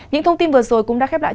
những thông tin vừa rồi cũng đã khép lại